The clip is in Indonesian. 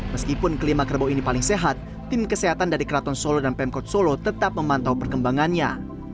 meskipun kelima kerbau ini paling sehat tim kesehatan dari keraton solo dan pemkot solo tetap memantau perkembangannya